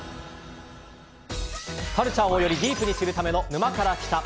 カルチャーをよりディープに知るための「沼から来た。」。